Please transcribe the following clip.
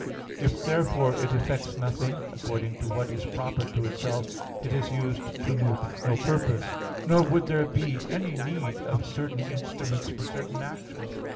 If therefore it effects nothing, according to what is proper to itself, it is used to no purpose; nor would there be any need of certain instruments for certain actions.